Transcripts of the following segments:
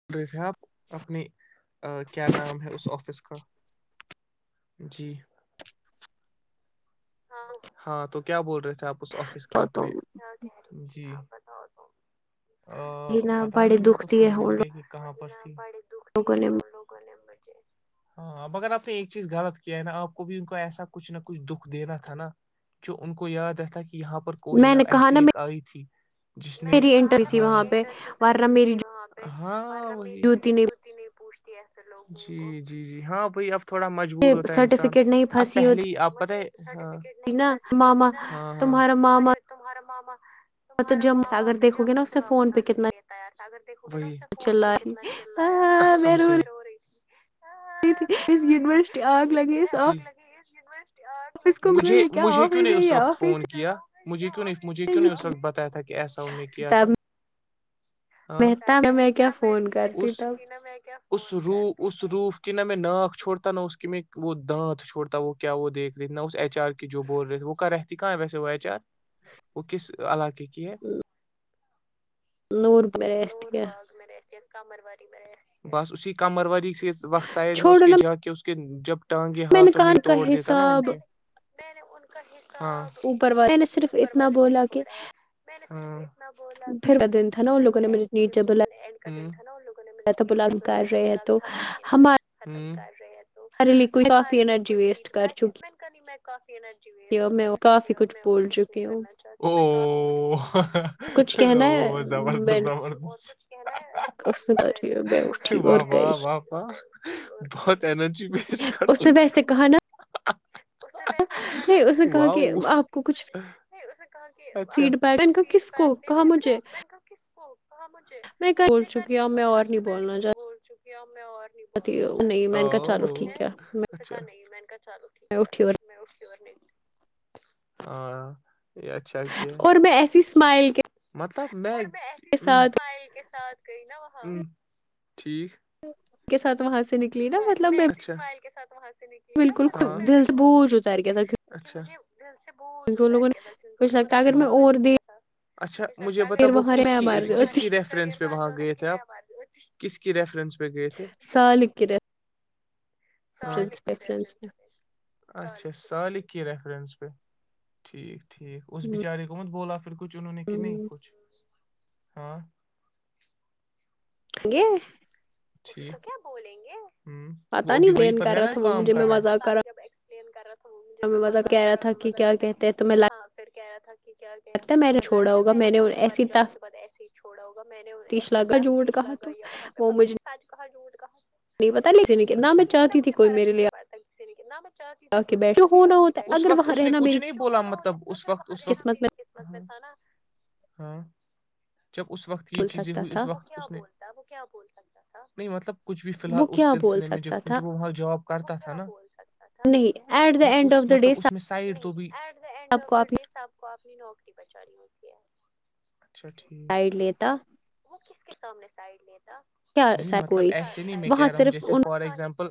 [inaudible] جی [unintelligible] ہاں تو کیا بول رہے تھے آپ اس آفس کا اپنے جی پتا نہیں میں تو خود بول گیا کہ [unintelligible] کہاں پر ت [unintelligible] توکنے [unintelligible] ہاں اگر آپ نے ایک چیز غلط کیا ہے نہا آپ کو بھی ان کو ایسا کچھ نہ کچھ دکھ [unintelligible] دینا تھا نا جو ان کو یاد رہتا کہ یہاں پر کوئی نہ ایسی ایک آئی تھی [unintelligible] ج میں نے کہا نا میری انٹرن شپ بسی ہوئی تھی وہاں پہ [unintelligible] جوتی نہیں پوچھتی ایسے لوگ جی جی جی ہاں بھائی اب [unintelligible] تھوڑا مجبور ہوتا ہے انسان اب پہل آپ پت ہے [unintelligible] نا ماما تمہارا ماما [unintelligible] م مرماما [unintelligible] تو جب ساگر دیکھ گے نا اس سے فون پہ کتنا [unintelligible] تھا اگر دیکھو فون پہ کتنا چل رہا رہی تھی [unintelligible] ہاں مری تھی وہے کہے آگ لگی یسٹی آگ لگی [unintelligible] مجھے مجھے کیونوں ن ا اس وقت فون [unintelligible] کیا مجھے کیوں نہیں مجھے کیوں نہیں اس وقت بتایا تھا کہ ایسا ان نے کیا تھا [unintelligible] تب متا میں تھی نا میں کیا [unintelligible] اس روح اس روح کی نہ میں ناک چھوڑتا نہ اس کی میں وہ دانت چھوڑتا وہ کیا وہ دیکھ [unintelligible] لنا اس ایچ آر کی جو بول رہے وہ کا رہتی کہاں ویسے وہ ایچ آر [unintelligible] وہ کس علاقے کی ہے [unintelligible] نور باگ کارو بس اسی کامرو وقت سائڈ میں اس کے جا کے اس کے جب ٹانگے ہاتھوں نہیں توڑ دیتا نا ان میں نے ان کا حصہ ب اوپر والے پہ چھوڑا ہے [unintelligible] میں نے اتنا بولا کہھر وہینڈ پہ جینڈ کرتا تھا نا ان لوگوں نے م [inaudible] بلاگ کر رہے ہیں تو ہمار [unintelligible] اارے [unintelligible] [unintelligible] سارے لوڈ کافی اینرج ویسٹ کر چکی ہے [unintelligible] میں کافی ارجی ویسٹ کر چکی ہ [unintelligible] میں اور کچھ نہیں کرنا چاہ او ا زبردست [unintelligible] پ و و و ب [unintelligible] بہت اینرجی ویسٹ کر چکی ہ [unintelligible] اس نے وسے کہا نا کچھ [unintelligible] کہ اھ کچھ فیڈ بیک دینے میں نے ایک دن کس کو کہا مجھے [unintelligible] میں کب بول چکی ہوںب میں اور نہیں بولنا چاہ [unintelligible] میں اور نہیں بولنا چاہتیا نہیں [unintelligible] ھیک ہاں یہ اچھا [unintelligible] اور میں ایسی اسمائل کیا [unintelligible] مطلبمائل کے ساتھ گئی نا وہاں ٹھیک [unintelligible] کے ساتھ وہاں سے [unintelligible] میں میںمائل کے ساتھ وہاں سے نکلی ناب بالکل خوش تھی [unintelligible] دل سے بوجھ اتار گیا تھا کیک ان لگوں نے مجھے پاگل کیا [unintelligible] اچھا مجھے بتا وہ کس کی کس کی ریفرنس [unintelligible] وہاں گئے تھے آپ کس کی ریفرنس پہ گئے تھے [unintelligible] سالکر [unintelligible] سو لکھ کے رہ [unintelligible] اچا سالق کی ریفرنس پ ٹھیک ٹھیک اس بچارے گمت بول آ [unintelligible] پھر کچھ انہوں نے کہ نہیں کچھ ہاں [unintelligible] ہگے [unintelligible] ٹھیک کیا بولیں گے ہ وہ بھی وہی پر ہے نا کام کر رہا ج [unintelligible] کر رہا تھاج میں مزہ کر رہا مزہ کر ہاں پھر کہہ رہا تھا [unintelligible] کیا کہتے تمہیں لگتا ہے میں نے ان کو تمہارے جان کے بع ایسے ہی چھوڑا ہوگا میں نے ایسی تفتیش لگ [unintelligible] گئی ہے وہاں پہ پتہ نہیں سج کہاں جھوٹ کہاں [unintelligible] وہ مجھے نہیں پتا لیک کہ نا مجھے فرق بھی نہیں پڑتا کسی کہ نہ میں چاہتی تھی کوئی میرے لیے آ [unintelligible] اس وقت اس نے کچھ نہیں بولا مطلب اس وقت اس وقت ہاں [unintelligible] جب اس وقت یہ چیزیں ہوئی اس وقت نہیں مطلب کچھ بھی فی الحال اس سلسلے میں جو کیونکہ وہ وہاں جاب کرتا تھا نا مطلب اس سائڈ بھی دا سب [unintelligible] کو اپنی نوکری پہچانی ہوتی اچھاھ [unintelligible] سائڈ ل تھا [unintelligible] وہ کس کے سامنے سائڈ لے تھا نہیں مطلب ایسے نہیں میں کہہ رہا ہوں جیسے فار اگزامپل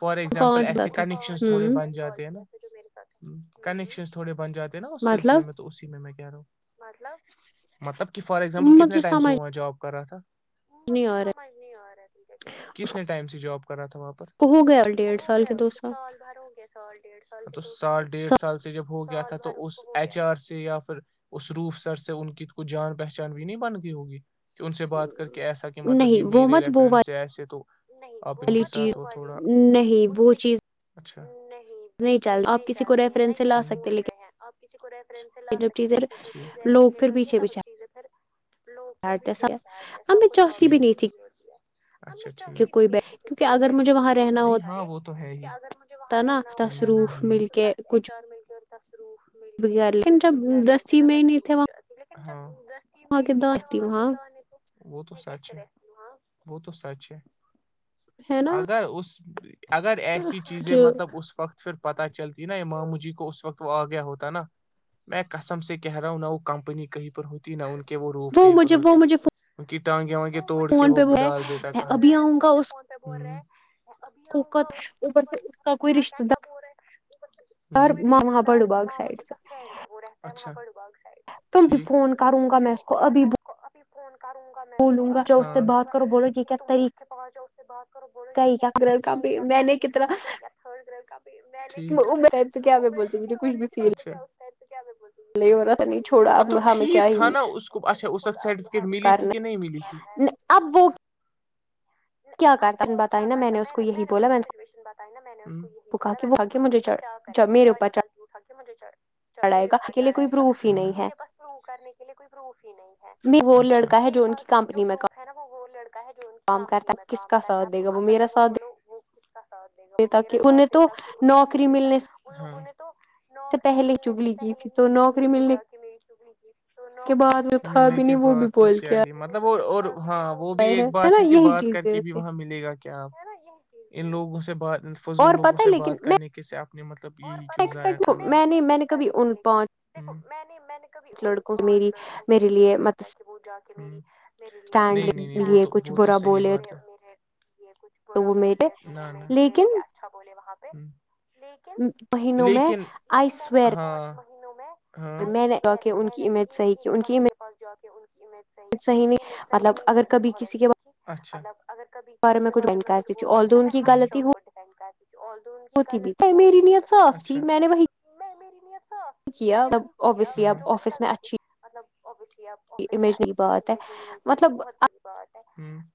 فار ایگزامپل ایسے کنکشنس تھوڑے بن جاتے ہیں نا کنیکشنس تھوڑے بن جاتے نا اس سلسلے میں تو اسی میں کہہ رہا ہوں مطلب مطلب کہ فار ایگزامپل کتنے ٹائم سے جاب کر رہا تھاجھمجھ آ رہا کتنے ٹائم سے جاب کر رہا تھا وہاں پر [unintelligible] ہو گیا ڈیڑھ سال کے دو سال تو سال ڈیڑھ سال سے جب ہو گیا تھا تو اس ایچ آر سے یا پھر اس روف سر سے ان کی کوئی جان پہچان بھی نہیں بن گئی ہوگی کہ ان سے بات کر کے کہ ایسا کہ مطلب یہ میرے ریفرنس سے ایسے تو آپ ان کے ساتھ وہ تھوڑا ہی وہ چیز [unintelligible] اچھ نہیں [unintelligible] وہ چیز نہیں چلتی ہے نا یہ آپ بول رہے ہیں آپ کسی کو ریفرنس سے لا سکتے ل- جو چیزیں ایلیٹ ہوتی ہے ت وہ چیزیں پھر لوگ پیچھے بچارتے سب کو جاب روری ہوتی ہے اچ- چلتی بھی نہیں تھی کہ کوئی بیٹھ میرے لیے وہ توگر مجھ- وہاں رہنا ہوتا ہے نا تو دس اچار منٹ دس روف- بیر لیکن جب دس ہی میں نہیں تھے وہ [unintelligible] ہاں ک د وہ تو سچ ہے وہ تو سچ ہے اگر اس اگر ایسی چیزیں مطلب اس وقت- پھر پتتا چلتی نا یہ مام مجھی کو اس وقت وہ آ گیا ہوتا نا میں کسم سے کہہ رہا ہوں نہ وہ کمپنی کہیں پر ہوتی نہ ان کے وہ روف کی- کی ٹانگیں وانگے توڑ کے وہ ڈال دیتا کہاں پہ- بول رہے ہیں ابھی آؤں گا اس کے اوپر اب کیا -کیا- کیا بول رہے ہیں کوئی رشتتے دار ماں مجھے کا فرینڈ ہے وہ رہتا ہے بڑ باغ تم بھی فون کروں گا میں اس کو ابھی- ابھی فون کروں گا میں ابھی ف کروں گا کہ تم اس سے پہنچ جاؤ اس کے بع- و بو جیحیحی کمنی چلاتے کیا تھرڈ گڈ کا- تو کیا بولتے مجھے کچھ بھی فیل ہو رہا تھا نہیں چھوڑا اب ہماں کیا ہی اس کو اچھا اس وقت سرٹیفکیٹ ملی تھی کہ نہیں ملی تھی? اب وہ اب وہ کیا کرتا میں نے میں نے اس کو سچویشن بتائی نا میں نے اس کو یہی بولا میں نے اس کو کہا کہ وہ کیا ے گا وہ ساری گلطی اٹا کے مجھے میرے اوپر چڑھائے گا اور میرے پاس- پروف کرنے کے لیے کوئی پروف ہی نہیں ہے میرے پاس جو پروف ہے نا- وہ لڑکا ہے جو کمپنی میں کام کر رہ تم آ کر لگ بھگ بولو وہ اس کا ساتھ دے گا وہ م انہیں تو نوکری ملنے سے- ان نے تو نوکری ملنے سے پہلے ہی نیچے جا کے میری ٹگڑی ت تو نوکری ملنے ملنے کے بع- بول کیا- مطلب وہ اور ہاں ہے نا یہی چیز ہے وہاں ملے گا کیا آپ ان لوگوں سے بات فضول لوگوں سے بات کرنے کے سے آپ- مطلبا کر رہی تھی لیکن دیکھو میں نے میں نے کبھی ان لڑکوں سے ایکسپیکٹ نہیں کیا کہ وہ جا کے میری- نہیں -نہیں- نہیں وہ تو وہ تو صحی بات ہے یہ کچھ برا بولے میرے لیے اچھا بولے وہاں پہ مہینوں میں آئیسویر- مہینوں میں آئی سویر میں نے ایک ایک بندے کے پاس جا کے ان کی امیج صحیح نہیں مطلب اگر کبھی کسی کے ب اچلب, اگر کبھی کسی کے بارے میں کچھ بولتا تھا نا میں ہمیشہ ان کو ڈپینڈ کرتی- اور د ان کی غالطی ہوتی ب لیکن میں میری نیت صاف تھی میں نے وہ کیا تو مجھے لگا کہ مطلب ابوسلی آپ- امیج کی بات ہے مطلب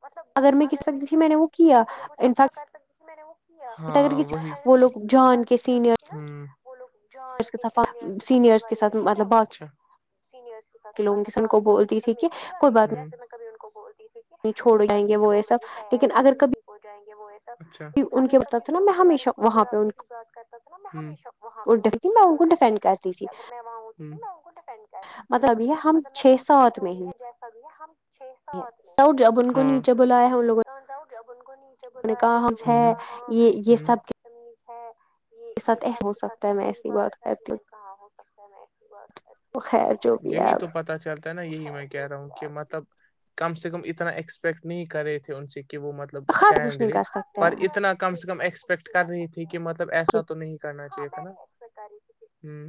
ب ہ اگر میں کسی سق دھی میں نے وہ کیا انفیکٹ ا ک وہ لوگ جان کے سینئر وہ لوگ جان کے سرنگا لیتے تھے- سینئرس کےاتھ ملب وہقی لوگ کے ساتھیری تھوڑی بانتی تھی جسے میں کبھی کو بول- کوئی بات نہیں چھوڑ رہی ہے ایسے ہی تو ٹھیک ہو جائیں گے وہ یہ سب لیکن اگر کبھی ان کے بارے میں- کو با بری بات کرتا تھا نا ہشہ وہاں پہ ڈپینڈ کرتی ت اگر میں وہاں میں ان کو ڈپینڈ کرتی تھی مطلب میں کہتی تھی اب جو بھی ہے جیسا بھی ہے ہم تو جب ان کو نیچے بلایا ہم لووں نے جاؤ گی اب ان کو نیچے بلایا ہے ان لوگوں نے کہا ہاں بہتمی ہے یہ یہ سب کے ساتھ ایسے ہی بات کرتی میں کہاں ہو سکتا ہے میں ایسے ہی بات کرتی ہوں یہی تو پتا چلتا نا یہی میں کہہ رہا ہوں کہ مطلب کم سے کم اتنا ایکسپیکٹ نہیں کر رہے تھے ان سے کہ وہ مطلب ملب اسٹینڈ لے پر اتنا کم سے کم ایکسپیکٹ کر رہی تھی کہ مطلب ایسا تو نہیں کرنا چاہیے تھا نا ہ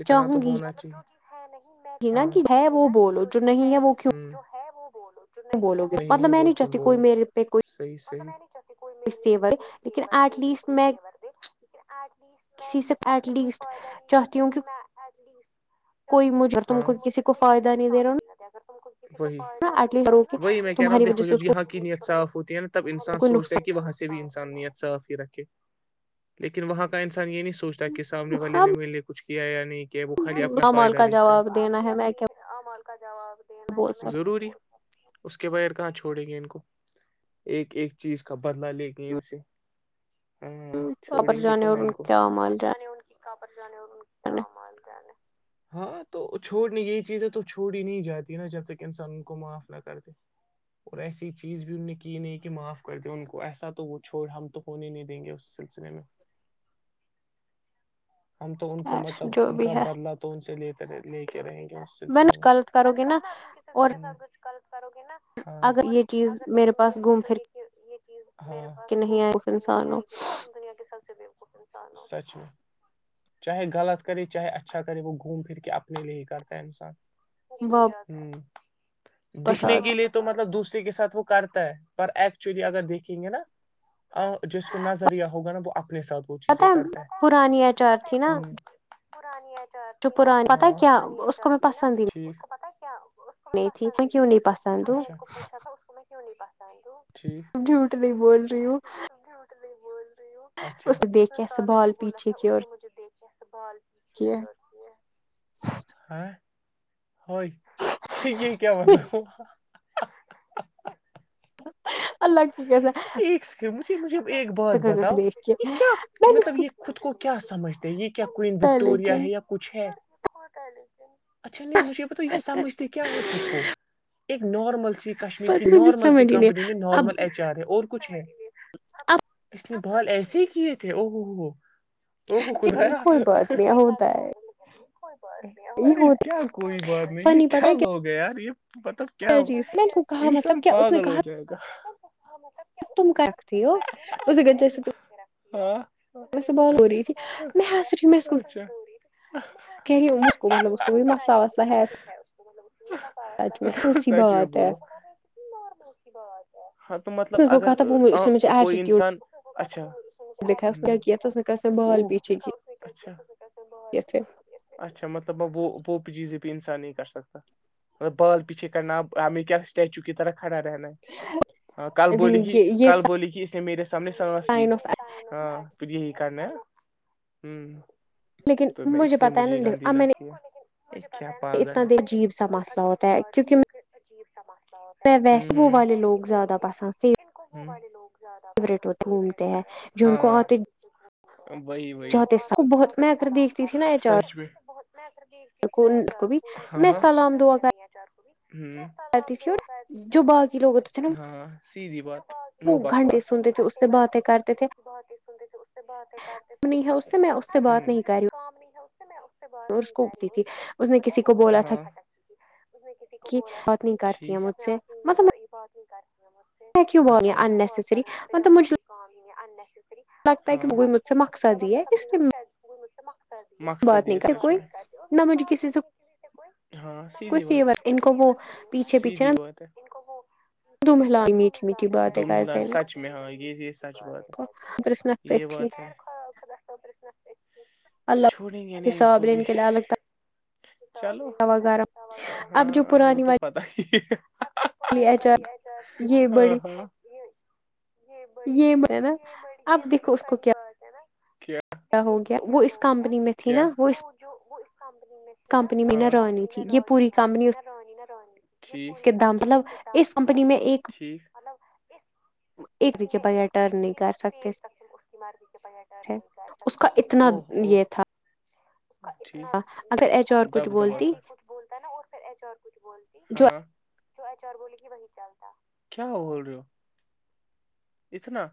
اتنا تو ہونا چاہیے جی میں کہوں گی س نا کہ جو چیز ہے ہی جو ہے وہ بولو نہیں ہے وہ کیوں بولو صحیح صحیح کوئی مے کوئی شیور دے کوئی شیور د لن ایٹ لیسٹ میں اس سے کوئی فائدہ نہیں رہاتی لیکن میں ایٹ لیسٹ چاہتی ہوں کہ مجھے کوئی نقصان بھی ہے اگر تم ک فائدہ نہیں دے رہا ہو وہی میں کہہ رہا ہوں دیکو جب یہاں کی نیت صاف ہوتی ہے نا تب انان سوچتا ہے کہ وہاں سے بھی انسان نیت صاف ہی رکھے لیکن وہاں کا انسان یہ نہیں سوچتا کہ سامنے والے نے میر لی کچھ کیا کیا یا نہیں کیا وہ خالی اپنا فائدہ دتا ہےمال کا جواب دینا ہے ضرور ضروری اس کے بغیر کہاں چھوڑیں گے ان کو ایک ایک چیز کا بدلا لے کے ان سے ہاں چھوڑیں گے کہاں ان کو ج چکا پر جانے اور کیا مالک نے ہاں تو چھوڑنی یہی چیزیں تو چھوڑ ہی نہیں جاتی نا جب تک انسان ان کو معاف نہ کرتے اور ایسی چیز بھی ان نے کی نہیں کہ معاف کر دیا ان کو ایسا تو وہ چھوڑ ہم تو ہونے نہیں دیں گے اس سلسلے میں ہم تو ان کو مطلب ان کا بدلہ تو ان سے لیتے لے کے رہیں گے م غلط کرو گے نا س کچھ لط کرو گے نا اور اگر تم یہ سوچو گے کہ یہ چیز میرے پاس گھوم پھر کے نہیں آئے گی نا دنیا کے سب سے بےوکف انسانچ چاہے غلط کرے چاہے اچھا کرے وہ گھوم پھر کے اپنے لیے ہی کرتا ہے انسان ہ دکھنے کے لیے تو تو مطلب دوسرے کے سھ وہ کرتا ہے پر ایکچولی اگر دیکھیں گے نا جس کو نظریہ ہوگا نا وہ اپنے ساتھ پتا ہے پرانییا بتائو پرانی آچار تھی نا پرانی آچار تھی نا اس کو پت کیا نہیں تھی کیوں نہیں پسند کیوں نہیں پسند گوں جوٹ نہیں بول رہی ہوں ت بول اسے دیکھے اسے بال پیچھے کی اور مجھے دیکھ بال ہ کیا کیا مطلب ایک مجھے مجھے ایک بات بتاؤ یہ کیا مطلب یہ خود کو کیا سمجھتے ہیں یہ کیا کوئین وکٹوریا ہے یا کچھ ہے اچھا نہیں مجھے تو یہ سمجھ کیا ہے خود کو ایک نارمل سی کشمیر کی نارمل سی کمپنی میں نارمل ج رہ اور کچھ ہے اس نے بال ایسے ہی کیے تھے او ہو ہو ہو ا خد ہے آ لتا ہے کوئی ب ے کیا کوئی بات نہیں یہ کیا لوگ ہیں یار یہ پتا کیا انسان پاگل ہو جائے گا تم کاگتی ہو اس گ جیسے ہ میں سے بالور رہی تھی میں ہسر ہی م میں اس کہ اس کو مطلب اس کو مسلہ وسلہ ہےس سچ میں بولو ہاں تو مطلب اگر کوئی انسان اچھا [unintelligible] اچھا مطلب پوپ جیزے بھی انسان نہیں کر سکتا مطب بال پیچھے کرنا ہمیں کیا اسٹیچو کی طرح کھڑا رہنا ہے ہاں کل بولی کی کال بولی کہ اس نے میرے سامنے سانس لی ہاں پھر یہی کارنا ہے ہ تو میں اس لیے مجھے گندی لگتی ہے اتنا د عجیب سا مسئلہ ہوتا ہے کیونکہ جییر سمسا ہو رہا لگ زدہ پسند نے والے لوگ زیادہ پس فورٹ ہو وہی وہی بہت کا سچ بھی ب میں ا سر دیکھتی نا چار پوری چار پو نیا چار پوری کرتی تھی اور جو باقی لوگوں ج وہ گھنٹیی سنتے تھے اس سے باتیں کرتے تھے بہت ہی سنتے تھے اس سے بہت ہی کرتے تھے مجھے کوئی کام نہیں ہے اس سے میں اس سے باہر نہیں نکا رہی اس کو پتاہ ب چ ہے اس نے کسی کو بولا تھا کہ م کر جج کوئی کام ہی دوسرا بار سمجے گا کہ شاید کو م مقصد مقصد اور مھ کام ہی نہیں ہے ہاں سیدھی بات سیدھی بات ہے دو مہیلا سچ میں یہ سچ بات یہ بات ہے چھوڑیں گے نہیں کو بھی چلوا ہاں وہ تو پتا ہی ل چ ہاں ہاں یہ میں نا اب دیکھو اس کو کیا ہ کیا نا اس کو کیا ہو گیا وہ جو وہ اس کمپنی میں تھی نا وہ اس کمپنی میں روج بھی نہ رونی نہ رونی کے دام مطلب اس کمپنی میں ایک ٹھیک مطلب کمپنی میں ایک ایک پیش تک اس کی مرتیی کے پٹرن نہیں کر اس کا اتنا یہ تھا ٹھیک دب دبتا بولتا نا اور پھر ایچور کچھ بولتی جو ایچور بولے گی وہی چلتی کیا ہو ہو رہیو اتنا